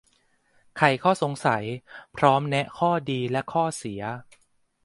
ไขข้อสงสัย พร้อมแนะข้อดี และข้อเสีย